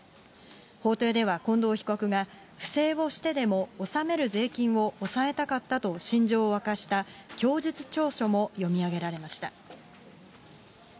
法廷では近藤被告が、不正をしてでも納める税金を抑えたかったと心情を明かした供述調書も読み上げられました。